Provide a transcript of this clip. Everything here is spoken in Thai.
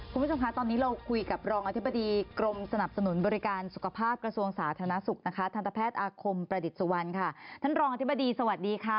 คุณผู้ชมคะตอนนี้เราคุยกับรองอธิบดีกรมสนับสนุนบริการสุขภาพกระทรวงสาธารณสุขนะคะทันตแพทย์อาคมประดิษฐ์สุวรรณค่ะท่านรองอธิบดีสวัสดีค่ะ